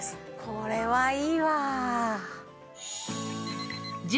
これはいいわ。